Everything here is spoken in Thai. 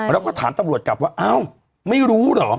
แล้วก็ถามตำรวจกลับว่าเอ้าไม่รู้เหรอ